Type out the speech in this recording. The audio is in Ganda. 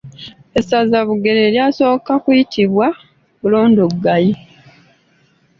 Essaza Bugerere lyasooka kuyitibwa Bulondoganyi.